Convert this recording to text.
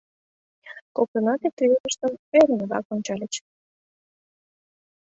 Коктынат икте-весыштым ӧрынрак ончальыч.